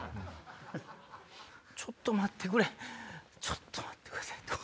ちょっと待ってくれ待ってください